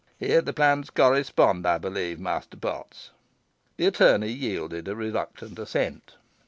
Here the plans correspond, I believe, Master Potts?" The attorney yielded a reluctant assent.